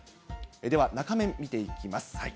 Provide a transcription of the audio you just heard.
では中面見ていきます。